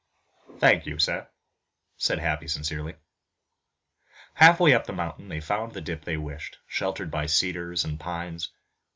"Thank you, sir," said Happy sincerely. Half way up the mountain they found the dip they wished, sheltered by cedars and pines.